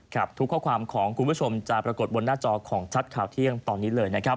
ทุกข้อความของคุณผู้ชมจะปรากฏบนหน้าจอของชัดข่าวเที่ยงตอนนี้เลยนะครับ